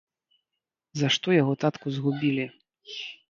За што яго татку згубілі?